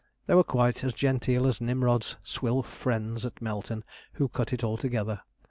They were quite as genteel as Nimrod's swell friends at Melton, who cut it altogether.